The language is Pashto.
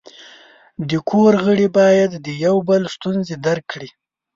د کور غړي باید د یو بل ستونزې درک کړي.